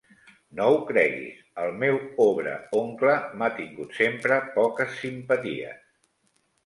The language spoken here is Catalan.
No ho creguis. El meu obre oncle m'ha tingut sempre poques simpaties